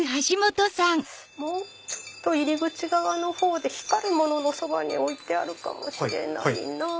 もうちょっと入り口側のほうで光るもののそばに置いてあるかもしれないなぁ。